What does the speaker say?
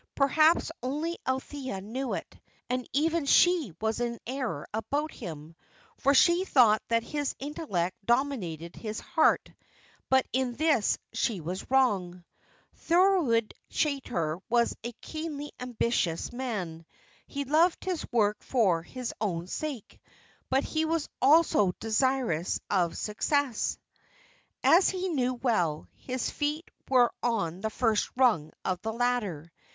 Perhaps only Althea knew it; and even she was in error about him, for she thought that his intellect dominated his heart; but in this she was wrong. Thorold Chaytor was a keenly ambitious man; he loved his work for its own sake; but he was also desirous of success. As he knew well, his feet were on the first rung of the ladder.